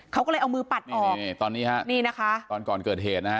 เขาก็เลยเอามือปัดออกนี่ตอนนี้ฮะนี่นะคะตอนก่อนเกิดเหตุนะฮะ